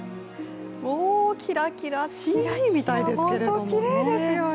おー、キラキラ、ＣＧみたいですけどね。